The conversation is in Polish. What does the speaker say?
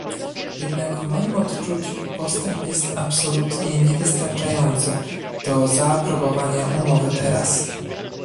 Jednak w moim odczuciu postęp jest absolutnie niewystarczający do zaaprobowania umowy teraz